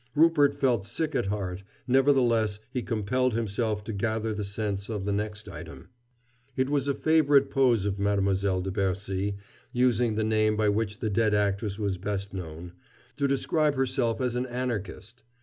Rupert felt sick at heart; nevertheless he compelled himself to gather the sense of the next item: It was a favorite pose of Mademoiselle de Bercy using the name by which the dead actress was best known to describe herself as an Anarchist.